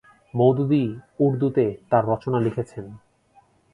মওদুদী উর্দুতে তার রচনা লিখেছেন।